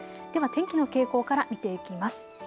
では天気の傾向から見ていきます。